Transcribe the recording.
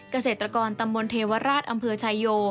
เกษตรกรตำบลเทวราชอำเภอชายโย